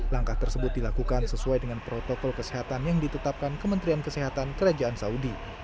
langkah tersebut dilakukan sesuai dengan protokol kesehatan yang ditetapkan kementerian kesehatan kerajaan saudi